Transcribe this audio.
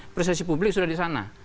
persesi publik sudah di sana